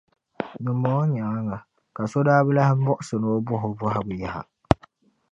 Dimbɔŋɔ nyaaŋa ka so daa bi lan buɣisi ni o bɔh’ o bɔhigu yaha.